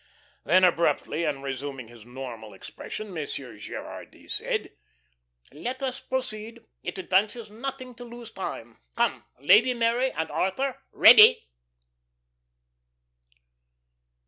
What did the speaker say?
Then abruptly, and resuming his normal expression, Monsieur Gerardy said: "Let us proceed. It advances nothing to lose time. Come. Lady Mary and Arthur, ready."